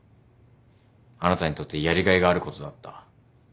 あなたにとってやりがいがあることだった。